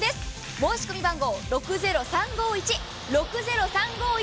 申し込み番号６０３５１６０３５１